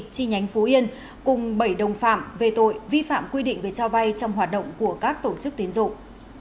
chi nhánh phú yên cùng bảy đồng phạm về tội vi phạm quy định về cho vay trong hoạt động của các tổ chức tiến dụng